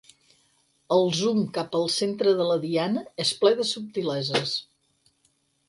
El zoom cap al centre de la diana és ple de subtileses.